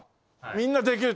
みんなできる。